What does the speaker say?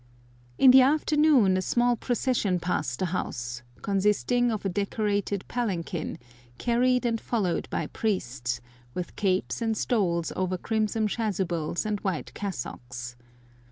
In the afternoon a small procession passed the house, consisting of a decorated palanquin, carried and followed by priests, with capes and stoles over crimson chasubles and white cassocks.